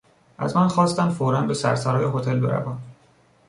از من خواستند فورا به سرسرای هتل بروم.